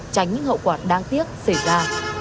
tránh những hậu quả đáng tiếc xảy ra